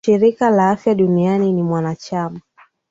shirika la afya duniani ni mwanachama